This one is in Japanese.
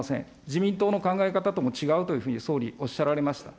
自民党の考え方とも違うというふうに、総理、おっしゃられました。